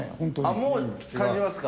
あっもう感じますか？